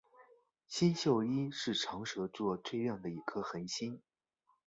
星宿一是长蛇座最亮的一颗恒星。